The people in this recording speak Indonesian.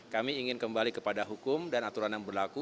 kami ingin kembali kepada hukum dan aturan yang berlaku